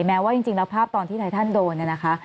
แม้ว่าจริงแล้วภาพตอนที่ไททันโดนเนี่ยนะคะ